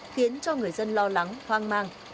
khiến cho người dân lo lắng hoang mang